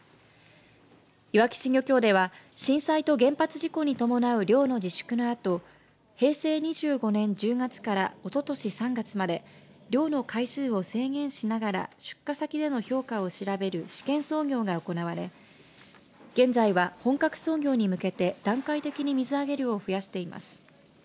いわき市漁協では震災と原発事故に伴う漁の自粛など平成２５年１０月からおととし３月まで漁の回数を制限しながら出荷先での評価を調べる試験操業が行われ現在は本格操業に向けて段階的に水揚げ量を増やしています。